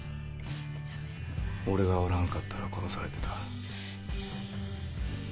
俺がおらんかったら殺されてた。